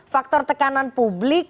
faktor tekanan publik